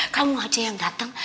kamu aja yang datang